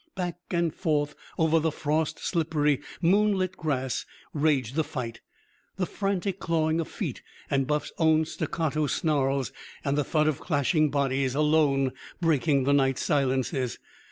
Back and forth over the frost slippery, moon lit grass raged the fight, the frantic clawing of feet and Buff's own staccato snarls and the thud of clashing bodies alone breaking the night silences.